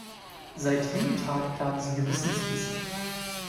Seit jenem Tag plagen sie Gewissensbisse.